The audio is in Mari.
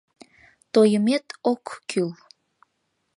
Тойымет ок кӱл.